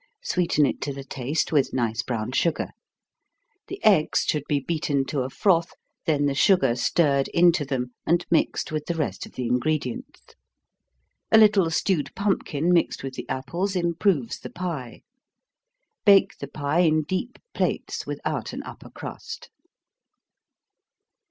Sweeten it to the taste with nice brown sugar. The eggs should be beaten to a froth, then the sugar stirred into them, and mixed with the rest of the ingredients. A little stewed pumpkin, mixed with the apples, improves the pie. Bake the pie in deep plates, without an upper crust.